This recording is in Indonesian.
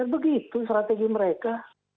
begitu strategi mereka